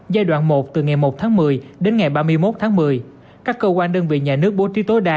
giai đoạn một từ ngày một tháng một mươi đến ngày ba mươi một tháng một mươi các cơ quan đơn vị nhà nước bố trí tối đa